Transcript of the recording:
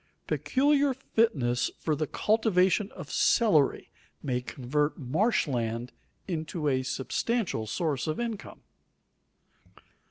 Peculiar fitness for the cultivation of celery may convert marsh land into a substantial source of income.